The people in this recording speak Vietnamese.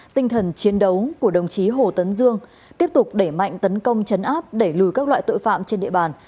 tinh thần chiến đấu của đồng chí hồ tấn dương tiếp tục đẩy mạnh tấn công chấn áp đẩy lùi các loại tội phạm trên địa bàn